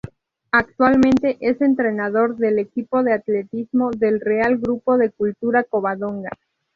Actualmente es entrenador del equipo de atletismo del Real Grupo de Cultura Covadonga.